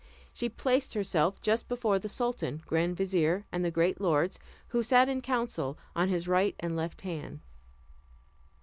She placed herself just before the sultan, grand vizier, and the great lords, who sat in council, on his right and left hand.